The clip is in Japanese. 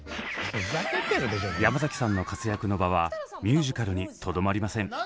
山崎さんの活躍の場はミュージカルにとどまりません。